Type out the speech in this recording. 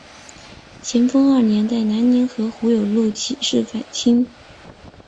咸丰二年在南宁和胡有禄起事反清。